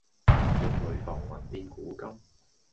玉壘浮雲變古今。